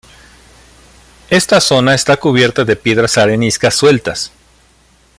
Esta zona está cubierta de piedras areniscas sueltas.